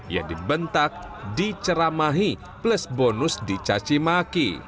ia dibentak diceramahi plus bonus dicacimaki